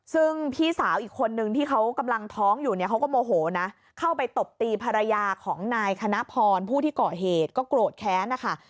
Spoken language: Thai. ซึ่งพี่สาวอีกคนนึงที่เขากำลังท้องอยู่เนี่ยเขาก็โมโหนะเข้าไปตบตีภรรยาของนายคณะพรผู้ที่ก่อเหตุก็โกรธแค้นนะคะ